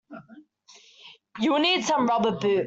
You will need some rubber boots.